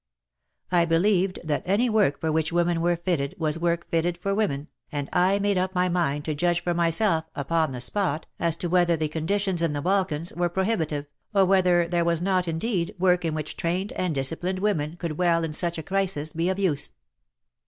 I believed that any work for which women were fitted was work fitted for women, and I made up my mind to judge for myself upon the spot as to whether the conditions in the Balkans were prohibitive, or whether there was not, indeed, work in which trained and disciplined women could well in such a crisis be of use.